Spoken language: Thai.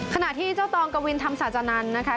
ขณะที่เจ้าตองกวินธรรมศาจานันทร์นะคะ